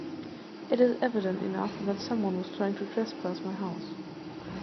It is evident enough that someone was trying to trespass my house.